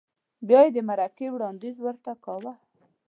بیا یې د مرکې وړاندیز ورته کاوه؟